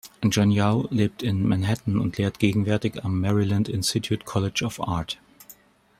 John Yau lebt in Manhattan und lehrt gegenwärtig am "Maryland Institute College of Art".